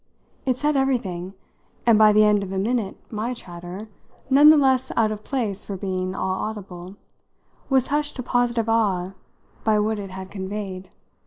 It said everything, and by the end of a minute my chatter none the less out of place for being all audible was hushed to positive awe by what it had conveyed.